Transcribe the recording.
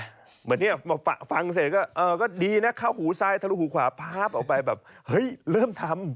เหมือนเนี่ยมาฟังเสร็จก็เออก็ดีนะเข้าหูซ้ายทะลุหูขวาพาบออกไปแบบเฮ้ยเริ่มทำ